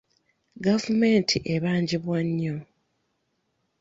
Gavumenti ebaangibwa nnyo.